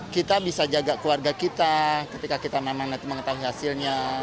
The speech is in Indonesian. kita bisa jaga keluarga kita ketika kita memang mengetahui hasilnya